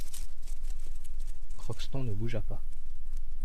Crockston ne bougea pas.